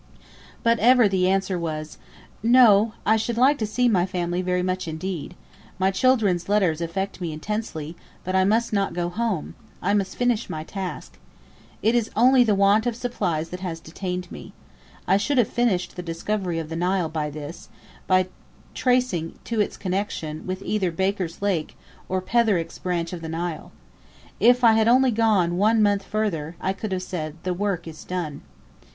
But ever the answer was, "No, I should like to see my family very much indeed. My children's letters affect me intensely; but I must not go home; I must finish my task. It is only the want of supplies that has detained me. I should have finished the discovery of the Nile by this, by tracing it to its connection with either Baker's Lake, or Petherick's branch of the Nile. If I had only gone one month further, I could have said, 'the work is done."'